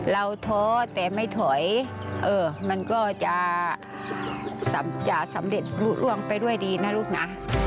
เราท้อแต่ไม่ถอยเออมันก็จะจะสำเร็จลูกล่วงไปดีนะลูกน่ะ